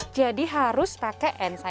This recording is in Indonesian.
jadi harus pakai ensa